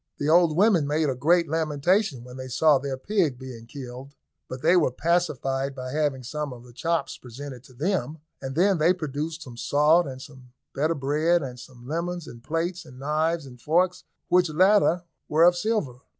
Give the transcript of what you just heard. The old women made a great lamentation when they saw their pig being killed, but they were pacified by having some of the chops presented to them, and then they produced some salt, and some better bread, and some lemons, and plates, and knives, and forks, which latter were of silver.